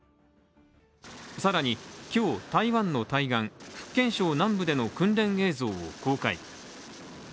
更に今日、台湾の対岸福建省南部での訓練映像を公開。